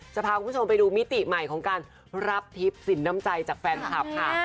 จะพาคุณผู้ชมไปดูมิติใหม่ของการรับทิพย์สินน้ำใจจากแฟนคลับค่ะ